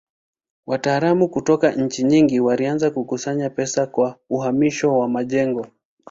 Wataalamu kutoka nchi nyingi walianza kukusanya pesa kwa uhamisho wa majengo.